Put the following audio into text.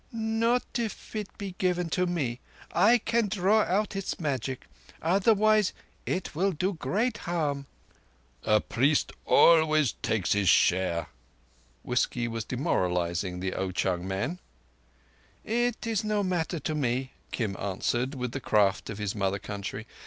"Not if it be given to me. I can draw out its magic. Otherwise it will do great harm." "A priest always takes his share." Whisky was demoralizing the Ao chung man. "It is no matter to me." Kim answered, with the craft of his mother country.